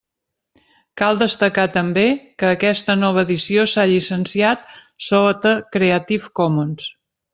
Cal destacar també que aquesta nova edició s'ha llicenciat sota Creative Commons.